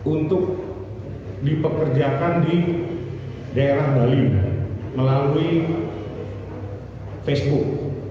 untuk dipekerjakan di daerah bali melalui facebook